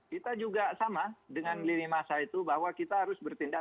kita juga sama dengan lini masa itu bahwa kita harus bertindak